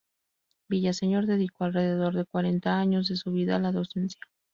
Villaseñor dedicó alrededor de cuarenta años de su vida a la docencia.